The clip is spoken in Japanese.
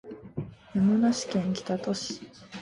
山梨県北杜市